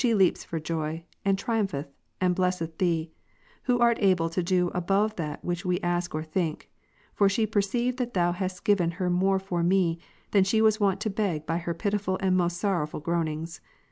3, leaps for joy, and triumpheth, and blesseth Thee, Who art "^^^ able to do above that ivhich ive ask or think ; for she per ceived that Thou hadst given her more for me, than she was wont to beg by her pitiful and most sorrowful groanings.